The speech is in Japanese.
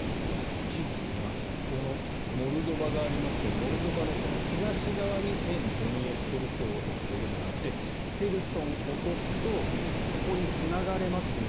ちょっと地図を見ますかねモルドバがありますがモルドバの東側に沿ドニエストル共和国というのがあってヘルソンを落とすとここにつながれますよ